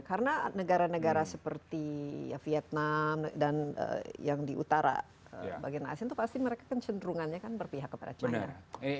karena negara negara seperti vietnam dan yang di utara bagian asean itu pasti mereka cenderungannya kan berpihak kepada china